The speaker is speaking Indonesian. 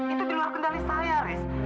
itu diluar kendali saya riz